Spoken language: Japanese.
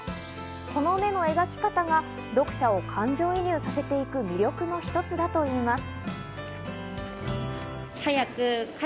この目の描き方が読者を感情移入させる魅力の一つだといいます。